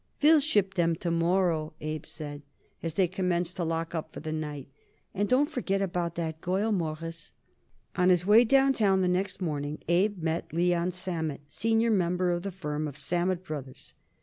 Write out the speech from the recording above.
"We'll ship them to morrow," Abe said, as they commenced to lock up for the night, "and don't forget about that girl, Mawruss." On his way downtown the next morning Abe met Leon Sammet, senior member of the firm of Sammet Brothers.